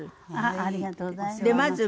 ありがとうございます。